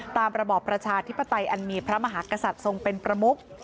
ระบอบประชาธิปไตยอันมีพระมหากษัตริย์ทรงเป็นประมุก